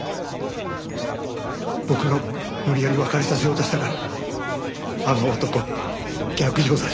僕が無理やり別れさせようとしたからあの男を逆上させた。